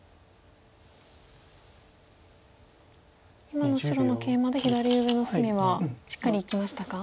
今の白のケイマで左上の隅はしっかり生きましたか？